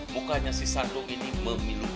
bukannya si sadung ini memilukan